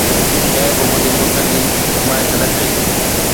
ڪنهن به منهنجي ملڪ جي حمايت نه ڪئي.